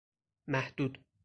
محدود